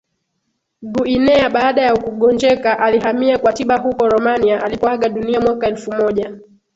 Guinea Baada ya kugonjeka alihamia kwa tiba huko Romania alipoaga dunia mwaka elfu moja